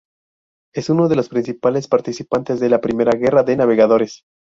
Es uno de los principales participantes de la primera guerra de navegadores.